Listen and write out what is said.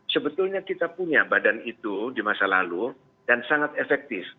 sebetulnya kita punya badan itu di masa lalu dan sangat efektif